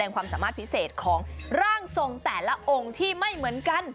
ความสามารถพิเศษของร่างทรงแต่ละองค์ที่ไม่เหมือนกัน